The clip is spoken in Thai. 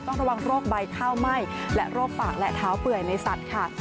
ระวังโรคใบข้าวไหม้และโรคปากและเท้าเปื่อยในสัตว์ค่ะ